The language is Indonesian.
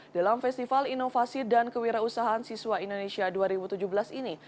dalam festival inovasi dan kewirausahaan siswa indonesia dua ribu tujuh belas ini